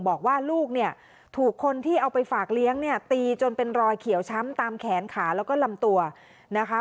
บอกว่าลูกเนี่ยถูกคนที่เอาไปฝากเลี้ยงเนี่ยตีจนเป็นรอยเขียวช้ำตามแขนขาแล้วก็ลำตัวนะคะ